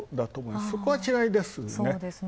そこは違いですね。